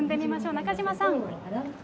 中島さん。